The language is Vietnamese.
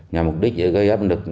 nhằm mục đích gây áp lực